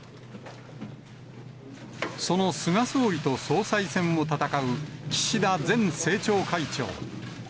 その菅総理と総裁選を戦う岸田前政調会長。